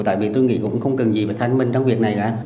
tại vì tôi nghĩ cũng không cần gì phải thay anh vinh trong việc này cả